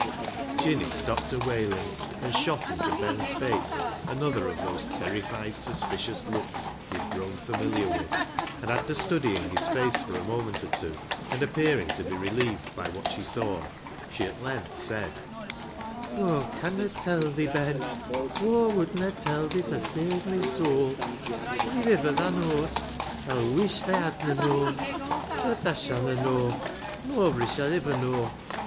" Jinny stopped her wailing, and shot into Ben's face another of those terrified, suspicious looks he had grown familiar with, and after studying his face for a moment or two, and appearing to be relieved by what she saw, she at length said —" Aw conna tell thi, Ben ; Aw wouldna tell thi ta save my soul. An' if iver thaa knaws, tha'll wuish thaa hadna known. But thaa shanna know ! Noabry shall iver know."